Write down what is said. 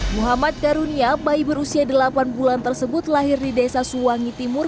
muhammad karunia bayi berusia delapan bulan tersebut lahir di desa suwangi timur